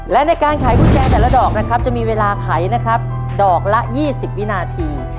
และในการขายกุญแจแต่ละดอกนะครับจะมีเวลาไขนะครับดอกละ๒๐วินาที